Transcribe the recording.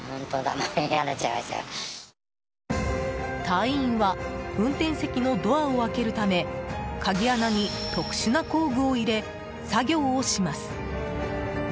隊員は運転席のドアを開けるため鍵穴に特殊な工具を入れ作業をします。